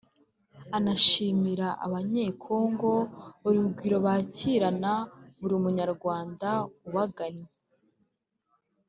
anashimira Abanye-Congo urugwiro bakirana buri munyarwanda ubagannye